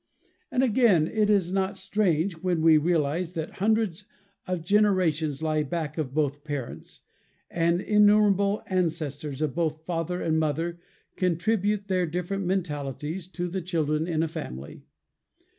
And again it is not strange, when we realize that hundreds of generations lie back of both parents, and innumerable ancestors of both father and mother contribute their different mentalities to the children in a family.